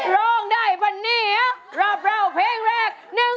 ร้องได้ฟะเนี้ยลาบราวเพลงแรก๑หมื่น